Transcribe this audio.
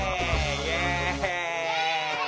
イエイ！